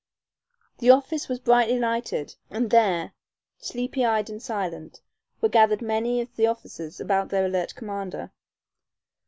The office was brightly lighted, and there, sleepy eyed and silent, were gathered many of the officers about their alert commander.